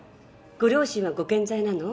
ご両親はご健在なの？